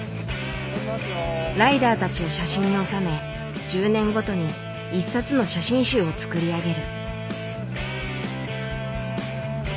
ライダーたちを写真に収め１０年ごとに１冊の写真集を作り上げる。